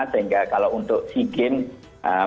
sehingga kalau untuk sea games